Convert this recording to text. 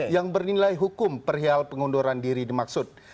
yang bernilai hukum perihal pengunduran diri dimaksud